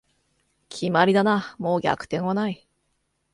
決まりだな、もう逆転はない